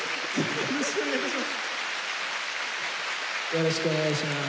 よろしくお願いします。